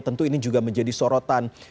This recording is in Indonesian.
tentu ini juga menjadi sorotan